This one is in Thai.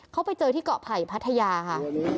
เขาไปเจอที่เกาะไผ่พัทยาค่ะ